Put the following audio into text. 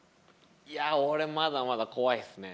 いや俺まだまだ怖いっすね。